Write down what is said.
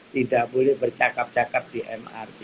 tidak boleh bercakap cakap di mrt